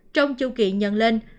trong chung kỳ nhận lên